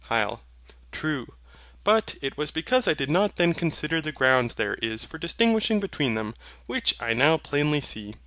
HYL. True: but it was because I did not then consider the ground there is for distinguishing between them, which I now plainly see.